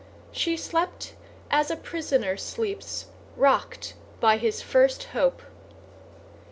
She slept as a prisoner sleeps, rocked by his first hope.